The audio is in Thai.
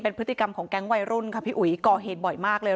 เป็นพฤติกรรมของแก๊งวัยรุ่นค่ะพี่อุ๋ยก่อเหตุบ่อยมากเลย